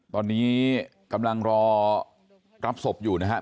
ตอนนี้กำลังรอรับศพอยู่นะครับ